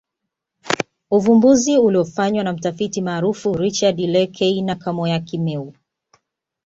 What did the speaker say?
Uvumbuzi uliofanywa na mtafiti maarufu Richard Leakey na Kamoya Kimeu